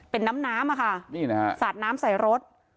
เป็นน้ำน้ำค่ะสาดน้ำใส่รถ